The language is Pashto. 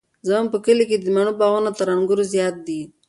زموږ په کلي کې د مڼو باغونه تر انګورو زیات دي.